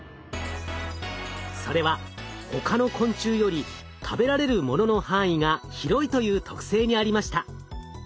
それは他の昆虫より食べられるものの範囲が広いという特性にありました。